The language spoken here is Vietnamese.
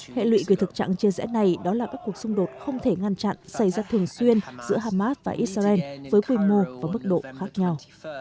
hệ lụy về thực trạng chia rẽ này đó là các cuộc xung đột không thể ngăn chặn xảy ra thường xuyên giữa hamas và israel với quy mô và mức độ khác nhau